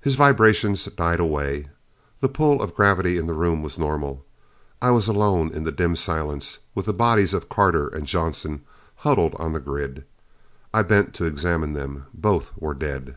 His vibrations died away. The pull of gravity in the room was normal. I was alone in the dim silence, with the bodies of Carter and Johnson huddled on the grid. I bent to examine them. Both were dead.